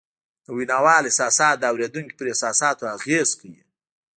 د ویناوال احساسات د اورېدونکي پر احساساتو اغېز کوي